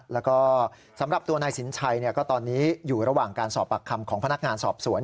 แล้วก็สำหรับตัวนายสินชัยก็ตอนนี้อยู่ระหว่างการสอบปากคำของพนักงานสอบสวน